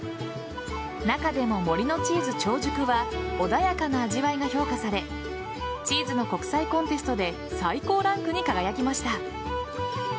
中でも森のチーズ長熟は穏やかな味わいが評価されチーズの国際コンテストで最高ランクに輝きました。